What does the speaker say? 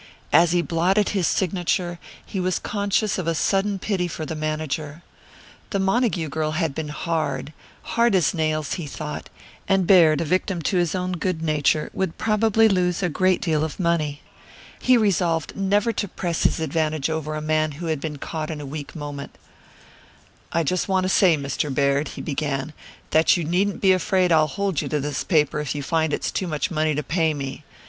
As he blotted his signature he was conscious of a sudden pity for the manager. The Montague girl had been hard hard as nails, he thought and Baird, a victim to his own good nature, would probably lose a great deal of money. He resolved never to press his advantage over a man who had been caught in a weak moment. "I just want to say, Mr. Baird," he began, "that you needn't be afraid I'll hold you to this paper if you find it's too much money to pay me.